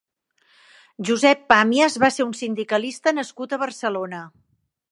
Josep Pàmias va ser un sindicalista nascut a Barcelona.